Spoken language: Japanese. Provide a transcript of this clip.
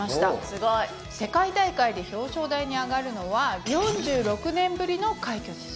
すごい！世界大会で表彰台に上がるのは４６年ぶりの快挙です。